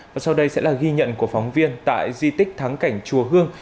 và sau đây sẽ là ghi nhận của phóng viên tại di tích thắng cảnh chùa hương